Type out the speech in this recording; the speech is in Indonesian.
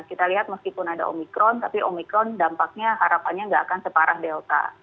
kita lihat meskipun ada omikron tapi omikron dampaknya harapannya nggak akan separah delta